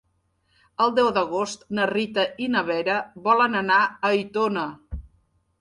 El deu d'agost na Rita i na Vera volen anar a Aitona.